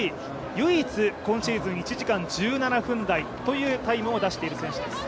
唯一今シーズン、１時間１７分台というタイムを出している選手です。